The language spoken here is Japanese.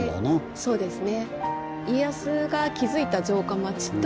そうですね。